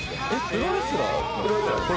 プロレスラーです